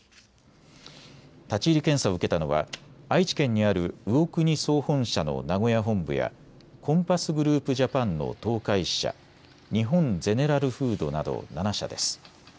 立ち入り検査を受けたのは愛知県にある魚国総本社の名古屋本部やコンパスグループ・ジャパンの東海支社、日本ゼネラルフードなど７社です。